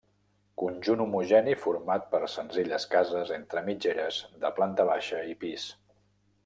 Conjunt homogeni format per senzilles cases entre mitgeres de planta baixa i pis.